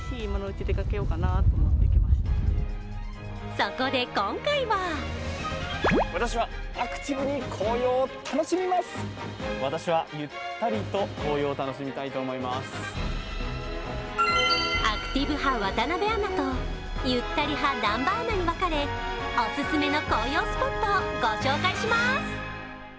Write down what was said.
そこで、今回はアクティブ派・渡部アナとゆったり派・南波アナに分かれ、お勧めの紅葉スポットを御紹介します。